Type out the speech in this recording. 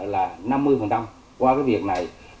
là năm mươi qua cái việc này